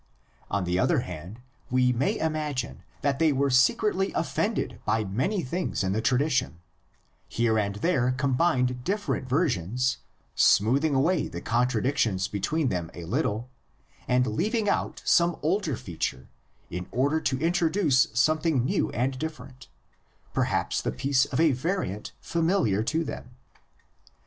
On the other hand, we may imagine that they were secretly offended by many things in the tradition, here and there combined different versions (^Commentary, p. 428), smoothing away the contradictions between them a little (^Commentary, p. 332) and leaving out some older feature in order to introduce something new and different, perhaps the piece of a variant familiar to them (^Commentary, p.